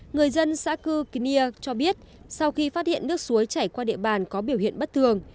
người dân xã cư kìa cho biết sau khi phát hiện nước suối chảy qua địa bàn có biểu hiện bất thường